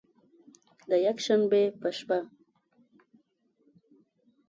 د یکشنبې په شپه